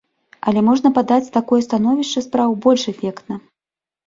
Але можна падаць такое становішча спраў больш эфектна.